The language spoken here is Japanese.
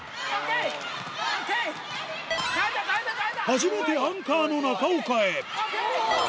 初めてアンカーの中岡へＯＫ！ＯＫ！